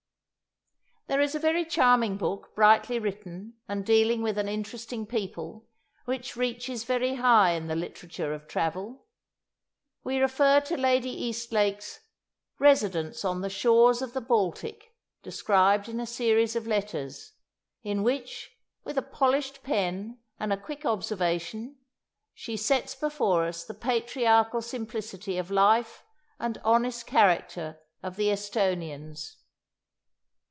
There is a very charming book, brightly written, and dealing with an interesting people, which reaches very high in the literature of travel. We refer to Lady Eastlake's "Residence on the Shores of the Baltic, described in a series of Letters," in which, with a polished pen and a quick observation, she sets before us the patriarchal simplicity of life and honest character of the Esthonians.